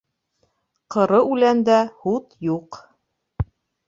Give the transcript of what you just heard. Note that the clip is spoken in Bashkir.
Ҡоро үләндә һут юҡ